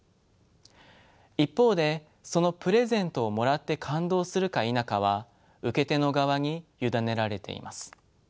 一方でそのプレゼントをもらって感動するか否かは受け手の側に委ねられています。